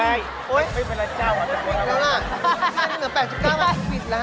ไม่ใช่เหมือน๘๙บาทมันผิดแล้ว